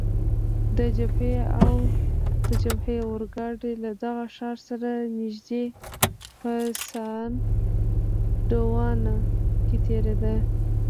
د جبهې اورګاډی له دغه ښار سره نږدې په سان ډونا کې تیریده.